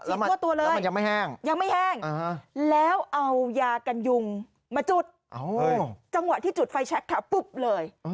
ทั่วตัวเลยมันยังไม่แห้งยังไม่แห้งแล้วเอายากันยุงมาจุดจังหวะที่จุดไฟแชคขาวปุ๊บเลย